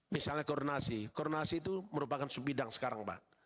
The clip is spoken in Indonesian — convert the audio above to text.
misalnya koronasi koronasi itu merupakan sebidang sekarang pak